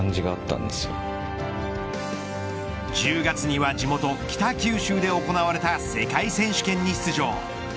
１０月には地元、北九州で行われた世界選手権に出場。